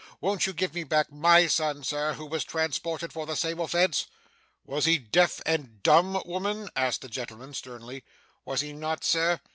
'Won't you give me back MY son, Sir, who was transported for the same offence!' 'Was he deaf and dumb, woman?' asked the gentleman sternly. 'Was he not, Sir?